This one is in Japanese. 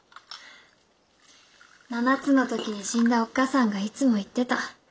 ７つの時に死んだおっ母さんがいつも言ってた。